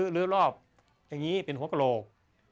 รอบอย่างนี้เป็นหัวกระโหลก